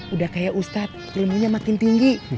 udah kayak ustadz ilmunya makin tinggi